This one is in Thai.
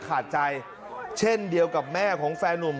ขาดใจเช่นเดียวกับแม่ของแฟนนุ่ม